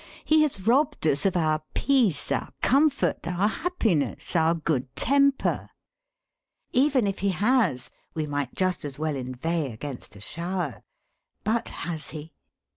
He has robbed us of our peace, our comfort, our happiness, our good temper. Even if he has, we might just as well inveigh against a shower. But has he?